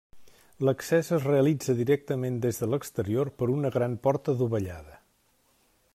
L'accés es realitza directament des de l'exterior per una gran porta dovellada.